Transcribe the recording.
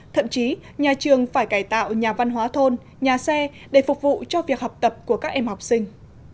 thậm chí nhà trường phải cải tạo nhà văn hóa thôn nhà xe để phục vụ cho việc học tập của các em học sinh